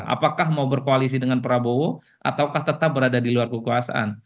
apakah mau berkoalisi dengan prabowo ataukah tetap berada di luar kekuasaan